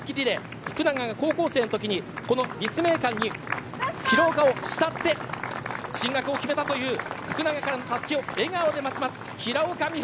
福永が高校生のときに立命館に平岡を慕って進学を決めたという福永からのたすきを笑顔で待つ、平岡美帆。